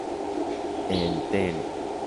El Tn.